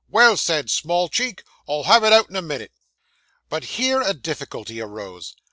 Well said, Smallcheek; I'll have it out in a minute.' But here a difficulty arose.